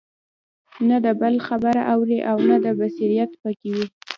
نه د بل خبره اوري او نه دا بصيرت په كي وي